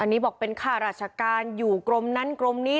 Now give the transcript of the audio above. อันนี้บอกเป็นข้าราชการอยู่กรมนั้นกรมนี้